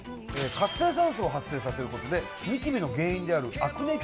活性酸素を発生させることでニキビの原因であるアクネ